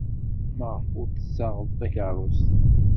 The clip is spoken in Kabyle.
Maɣef ur d-tessaɣed takeṛṛust?